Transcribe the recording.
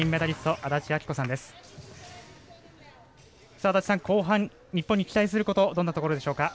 安達さん、後半日本に期待することどんなところでしょうか？